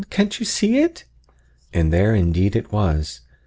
can't you see it?" And there indeed it was!